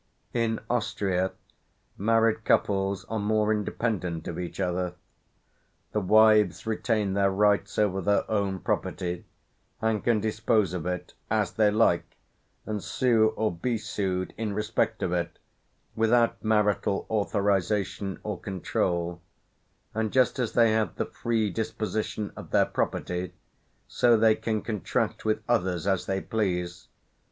In Austria, married couples are more independent of each other; the wives retain their rights over their own property, and can dispose of it "as they like, and sue or be sued in respect of it, without marital authorisation or control; and just as they have the free disposition of their property, so they can contract with others as they please.